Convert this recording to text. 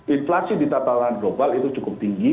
inflasi di tataran global itu cukup tinggi